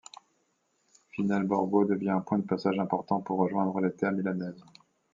Finalborgo devient un point de passage important pour rejoindre les terres milanaises.